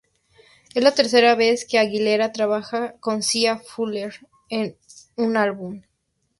Es la tercera vez que Aguilera trabaja con Sia Furler en un álbum.